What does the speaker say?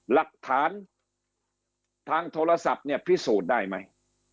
หลักฐานทางโทรศัพท์เนี่ยพิสูจน์ได้ไหม